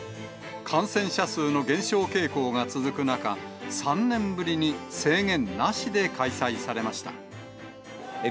感染者数の減少傾向が続く中、３年ぶりに制限なしで開催されました。